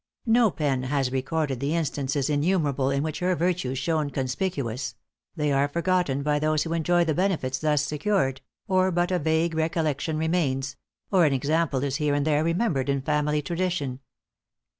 No pen has recorded the instances innumerable in which her virtues shone conspicuous; they are forgotten by those who enjoy the benefits thus secured; or but a vague recollection remains or an example is here and there remembered in family tradition.